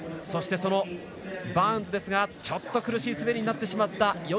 そして、バーンズはちょっと苦しい滑りになってしまった。